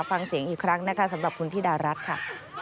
ฟังเสียงอีกครั้งนะคะสำหรับคุณธิดารัฐค่ะ